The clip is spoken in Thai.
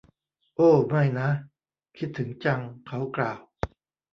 โอ้ ไม่นะ คิดถึงจัง เขากล่าว